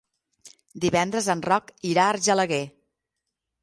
Divendres en Roc irà a Argelaguer.